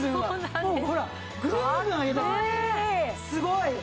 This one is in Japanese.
すごい。